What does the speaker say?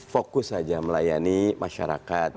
fokus saja melayani masyarakat